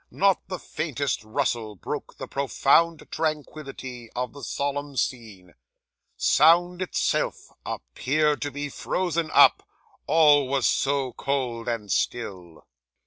Not the faintest rustle broke the profound tranquillity of the solemn scene. Sound itself appeared to be frozen up, all was so cold and still.